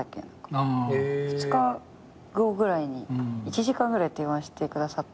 ２日後ぐらいに１時間ぐらい電話してくださって。